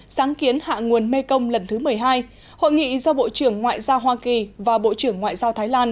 sáng kiến hạ nguồn mekong lần thứ một mươi hai hội nghị do bộ trưởng ngoại giao hoa kỳ và bộ trưởng ngoại giao thái lan